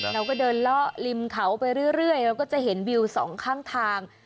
เราก็เดินล่อริมเขาไปเรื่อยแล้วก็จะเห็นวิว๒ข้างทาง